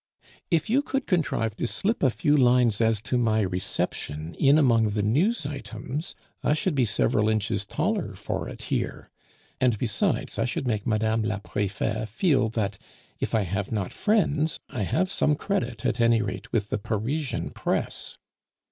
"If you could contrive to slip a few lines as to my reception in among the news items, I should be several inches taller for it here; and besides, I should make Mme. la Prefete feel that, if I have not friends, I have some credit, at any rate, with the Parisian press.